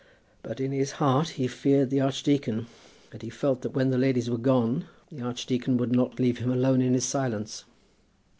But in his heart he feared the archdeacon, and he felt that when the ladies were gone the archdeacon would not leave him alone in his silence.